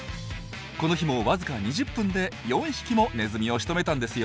この日もわずか２０分で４匹もネズミをしとめたんですよ。